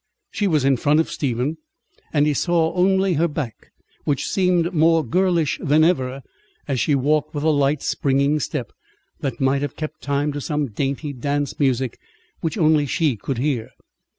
She was in front of Stephen, and he saw only her back, which seemed more girlish than ever as she walked with a light, springing step, that might have kept time to some dainty dance music which only she could hear.